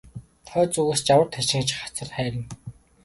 Хойд зүгээс жавар тачигнаж хацар хайрна.